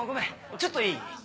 ちょっといい？